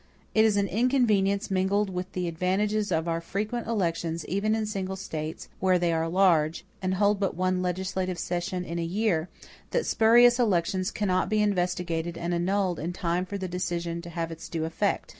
It is an inconvenience mingled with the advantages of our frequent elections even in single States, where they are large, and hold but one legislative session in a year, that spurious elections cannot be investigated and annulled in time for the decision to have its due effect.